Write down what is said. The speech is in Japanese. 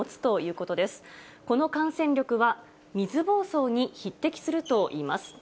この感染力は、水ぼうそうに匹敵するといいます。